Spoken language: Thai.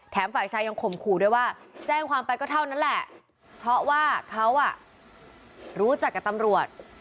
ฝ่ายชายยังข่มขู่ด้วยว่าแจ้งความไปก็เท่านั้นแหละเพราะว่าเขาอ่ะรู้จักกับตำรวจ